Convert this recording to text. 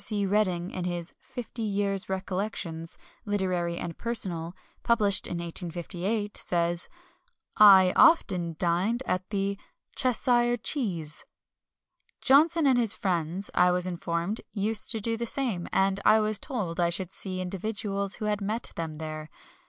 C. Redding, in his Fifty Years' Recollections, Literary and Personal, published in 1858, says: "I often dined at the "Cheshire Cheese." Johnson and his friends, I was informed, used to do the same, and I was told I should see individuals who had met them there.